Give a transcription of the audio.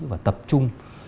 và tập trung